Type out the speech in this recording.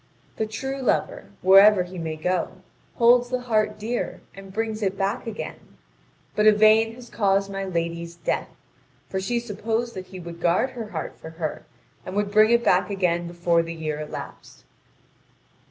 The true lover, wherever he may go, holds the heart dear and brings it back again. But Yvain has caused my lady's death, for she supposed that he would guard her heart for her, and would bring it back again before the year elapsed.